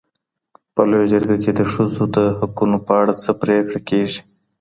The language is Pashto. په لویه جرګه کي د ښځو د حقونو په اړه څه پرېکړه کیږي؟